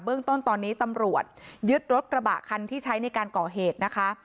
เรื่องต้นตอนนี้ตำรวจยึดรถกระบะคันที่ใช้ในการก่อเหตุนะคะ